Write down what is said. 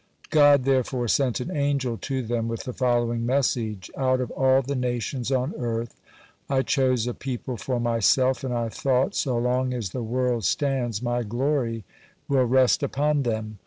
God, therefore, sent an angel to them with the following message: "Out of all the nations on earth, I chose a people for Myself, and I thought, so long as the world stands, My glory will rest upon them.